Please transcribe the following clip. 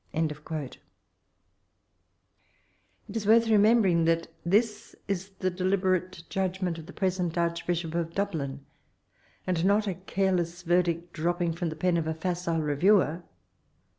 ^' It is worth remembering that this is tl^e deliberate judgment of the preseiit Archbishop of Dablin, and not a careless verdict dropping from the pen of a facile reviewer.